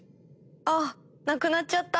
あっなくなっちゃった。